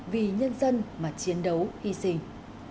vì nhân dân mà chiến đấu hy sinh